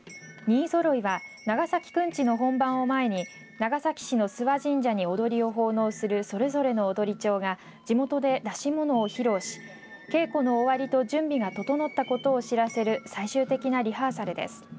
人数揃いは長崎くんちの本番を前に長崎市の諏訪神社に踊りを奉納するそれぞれの踊町が地元で演し物を披露し稽古の終わりと準備が整ったことを知らせる最終的なリハーサルです。